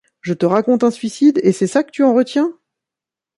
Je te raconte un suicide et c’est ça que tu en retiens ?